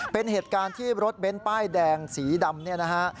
เป็นเหตุการณ์ที่รถเบ้นป้ายแดงสีดำเนี่ยนะฮะ